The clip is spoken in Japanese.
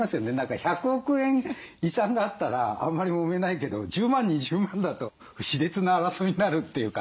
１００億円遺産があったらあんまりもめないけど１０万２０万だと熾烈な争いになるというか実感がありますもんね。